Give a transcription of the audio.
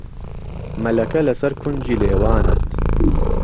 مهلهکه له سهر کونجی لێوانت